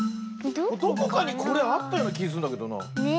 どこかにこれあったようなきすんだけどな。ね。